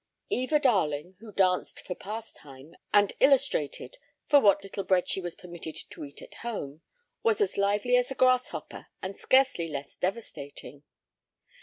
Eva Darling, who danced for pastime and illustrated for what little bread she was permitted to eat at home, was as lively as a grasshopper and scarcely less devastating.